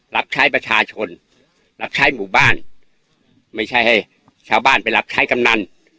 รับใช้ประชาชนรับใช้หมู่บ้านไม่ใช่ให้ชาวบ้านไปรับใช้กำนัน